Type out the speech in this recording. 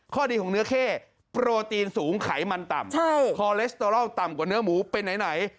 ข้อดีของเนื้อเข้โปรตีนสูงไขมันต่ำคอเลสเตอรอลต่ำกว่าเนื้อหมูเป็นไหน